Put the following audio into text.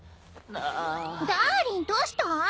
ダーリンどうした？